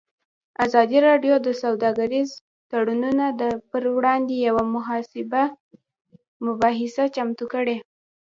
ازادي راډیو د سوداګریز تړونونه پر وړاندې یوه مباحثه چمتو کړې.